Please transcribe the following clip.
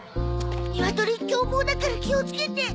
ニワトリ凶暴だから気をつけて。